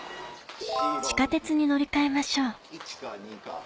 地下鉄に乗り換えましょう１か２か。